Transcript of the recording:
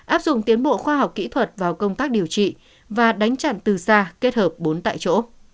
áp dụng tiến bộ khoa học kỹ thuật vào công tác điều trị và đánh chặn từ xa kết hợp bốn tại chỗ